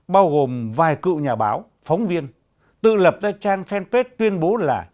bao gồm vài cựu nhà báo phóng viên tự lập ra trang fanpage tuyên bố là